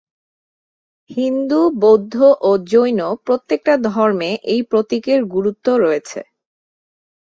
হিন্দু, বৌদ্ধ ও জৈন প্রত্যেকটা ধর্মে এই প্রতীকের গুরুত্ব রয়েছে।